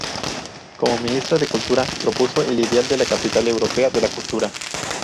Como Ministra de Cultura, propuso el ideal de la Capital Europea de la Cultura.